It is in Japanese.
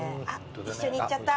一緒にいっちゃった。